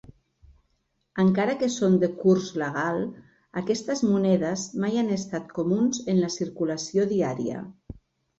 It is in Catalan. Encara que són de curs legal, aquestes monedes mai han estat comuns en la circulació diària.